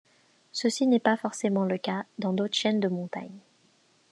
Ceci n'est pas forcément le cas dans d'autres chaînes de montagnes.